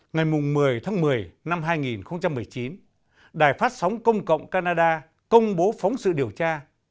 ngày một mươi tháng một mươi năm hai nghìn một mươi chín đài phát sóng công cộng canada công bố phóng sự điều tra